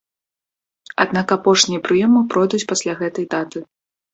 Аднак апошнія прыёмы пройдуць пасля гэтай даты.